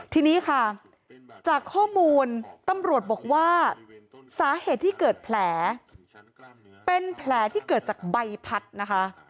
ทีนี้ค่ะจากข้อมูลตำรวจบอกว่าสาเหตุที่เกิดแผลเป็นแผลที่เกิดจากใบพัดนะคะ